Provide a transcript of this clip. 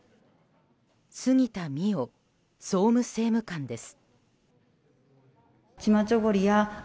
杉田水脈総務政務官です。